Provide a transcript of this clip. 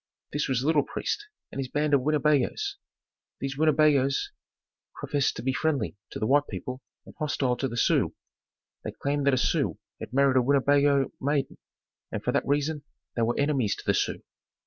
This was Little Priest and his band of Winnebagoes. These Winnebagoes professed to be friendly to the white people and hostile to the Sioux. They claimed that a Sioux had married a Winnebago maiden, and for that reason they were enemies to the Sioux.